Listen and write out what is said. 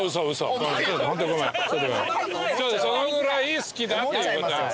そのぐらい好きだっていうこと。